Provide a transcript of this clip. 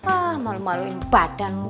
ah malu maluin badanmu